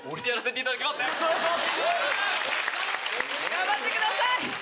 頑張ってください！